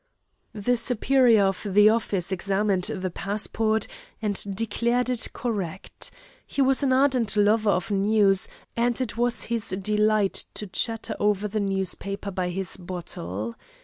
The superior of the office examined the passport and declared it correct. He was an ardent lover of news, and it was his delight to chatter over the newspaper by his bottle.